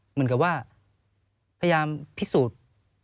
เหมือนกับว่าพยายามพิสูจน์